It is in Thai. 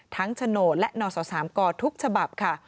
ทั้งชโนและนอนสอสามกอทุกฉบับค่ะ